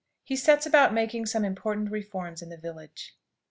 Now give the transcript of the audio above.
HE SETS ABOUT MAKING SOME IMPORTANT REFORMS IN THE VILLAGE.